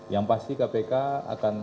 yang pasti kpk akan